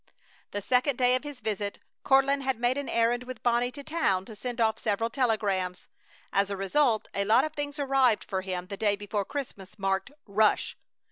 The second day of his visit Courtland had made an errand with Bonnie to town to send off several telegrams. As a result a lot of things arrived for him the day before Christmas, marked "Rush!"